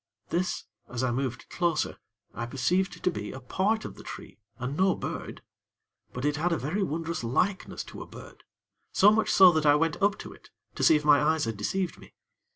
This, as I moved closer, I perceived to be a part of the tree, and no bird; but it had a very wondrous likeness to a bird; so much so that I went up to it, to see if my eyes had deceived me.